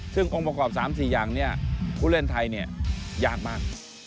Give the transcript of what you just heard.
ซึ่งองค์ประกอบ๓๔อย่างนี้ผู้เล่นไทยเนี่ยยากมาก